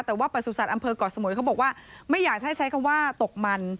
แต่ว่าประสุทธิ์อำเภอก่อสมุยเขาบอกว่าไม่อยากจะให้ใช้คำว่าตกมัน